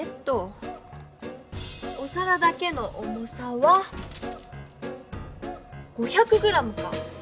お皿だけの重さは５００ｇか。